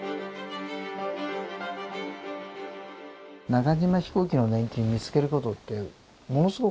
中島飛行機の年金を見つけることってものすごく多いんですよ。